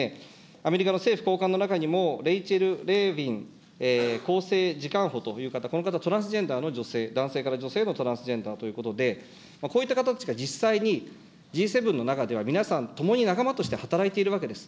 アメリカの政府高官の中にもレイチェル・レービン厚生次官補、この方、トランスジェンダーの女性、男性から女性へのトランスジェンダーの中で、こういった方々が実際にＧ７の中では皆さん、共に仲間として働いているわけです。